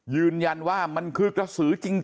ยืนยันว่ามันคือกระสือจริง